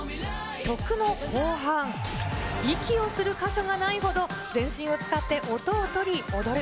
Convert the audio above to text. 曲の後半、息をする箇所がないほど、全身を使って音を取り踊る。